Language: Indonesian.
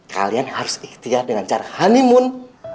kalian harus ikhtiar dengan cara honeymoon